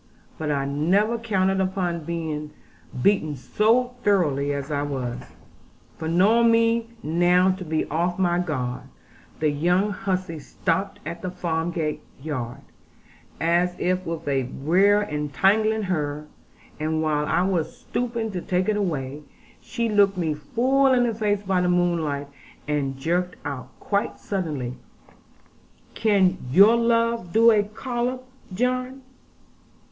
But I never counted upon being beaten so thoroughly as I was; for knowing me now to be off my guard, the young hussy stopped at the farmyard gate, as if with a brier entangling her, and while I was stooping to take it away, she looked me full in the face by the moonlight, and jerked out quite suddenly, 'Can your love do a collop, John?'